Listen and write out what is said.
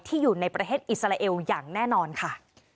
อยู่ในประเทศอิสราเอลอย่างแน่นอนค่ะ